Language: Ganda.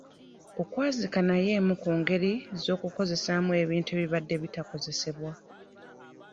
Okwazika nayo emu ku ngeri z'okukozesaamu ebintu ebibadde bitakozesebwa.